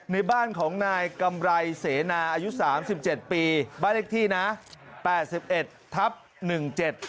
ในบ้านของนายกำไรเสนาอายุสามสิบเจ็ดปีบ้านเลขที่นะแปดสิบเอ็ดทับหนึ่งเจ็ด